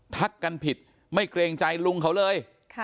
ทักกันผิดไม่เกรงใจลุงเขาเลย